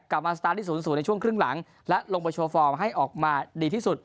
กลับมาสตาร์ทที่สูงสูงในช่วงครึ่งหลังและลงโปรโชฟอร์มให้ออกมาดีที่สุด